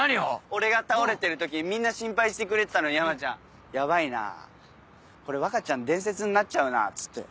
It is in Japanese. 俺が倒れてる時みんな心配してくれてたのに山ちゃん「ヤバいなこれ若ちゃん伝説になっちゃうな」っつって。